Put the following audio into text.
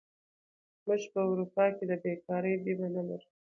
موږ په اروپا کې د بېکارۍ بیمه نه لرو.